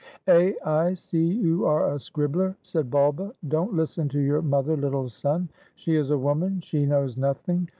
"Eh, I see you are a scribbler," said Bulba. "Don't listen to your mother, little son; she is a woman, she knows nothing.